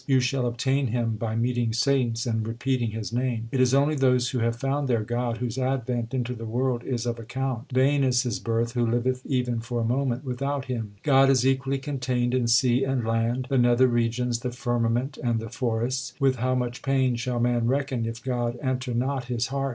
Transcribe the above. You shall obtain Him by meeting saints and repeating His name. It is only those who have found their God, whose advent into the world is of account : Vain is his birth who liveth even for a moment without Him. HYMNS OF GURU ARJAN 125 God is equally contained in sea and land, the nether regions, the firmament, and the forests. With how much pain shall man reckon if God enter not his heart